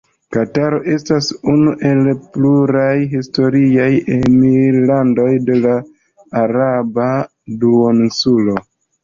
Kataro estas unu el pluraj historiaj emirlandoj de la Araba Duoninsulo.